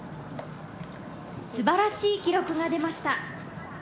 すばらしい記録が出ました。